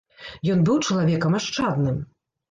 Ён быў чалавекам ашчадным.